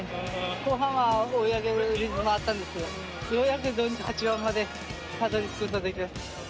後半は追い上げるリズムあったんですけどようやくどうにか８番までたどりつくことができました。